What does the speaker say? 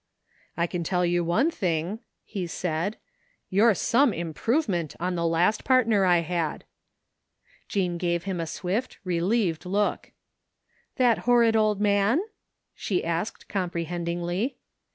" I can tell you one thing," he said, " you're some improvement on the last partner I had." Jean gave him a swift, relieved look. *' That horrid old man? " she asked comprehendingly.